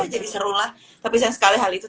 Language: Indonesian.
jadi seru lah tapi yang sekali hal itu